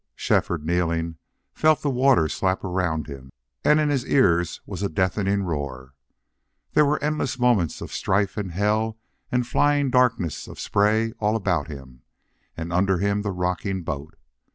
Shefford, kneeling, felt the water slap around him, and in his ears was a deafening roar. There were endless moments of strife and hell and flying darkness of spray all about him, and under him the rocking boat.